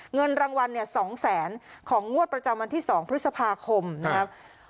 เงินรางวัลเนี่ย๒แสนของงวดประจำวันที่๒พฤษภาคมนะครับ